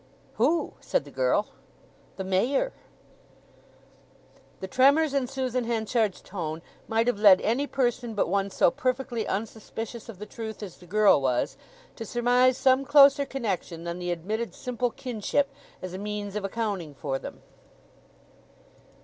"Who?" said the girl. "The Mayor." The tremors in Susan Henchard's tone might have led any person but one so perfectly unsuspicious of the truth as the girl was, to surmise some closer connection than the admitted simple kinship as a means of accounting for them.